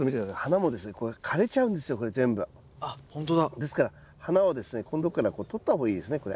ですから花はここんとこから取った方がいいですねこれ。